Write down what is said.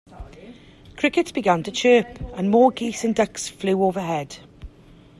Crickets began to chirp, and more geese and ducks flew overhead.